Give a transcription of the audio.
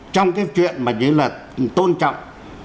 trong cái chuyện mà những lần tôn trọng